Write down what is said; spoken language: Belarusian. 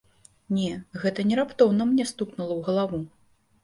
Не, гэта не раптоўна мне стукнула ў галаву.